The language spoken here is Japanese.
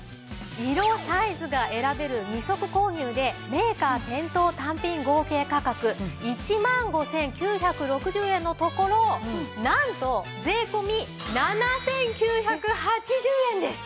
色サイズが選べる２足購入でメーカー店頭単品合計価格１万５９６０円のところなんと税込７９８０円です！